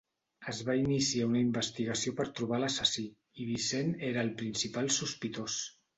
Es va iniciar una investigació per trobar l'assassí i Vincent era el principal sospitós.